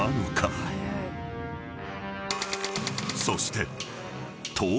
［そして］